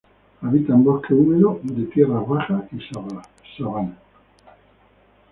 Habita en bosque húmedo de tierras bajas y sabana.